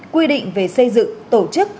quy định về xây dựng tổ chức